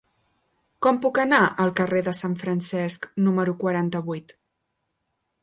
Com puc anar al carrer de Sant Francesc número quaranta-vuit?